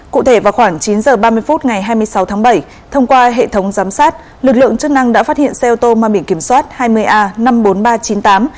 cụ thể vào khoảng chín h ba mươi phút ngày hai mươi sáu tháng bảy thông qua hệ thống giám sát lực lượng chức năng đã phát hiện xe ô tô mang biển kiểm soát hai mươi a năm mươi bốn nghìn ba trăm chín mươi tám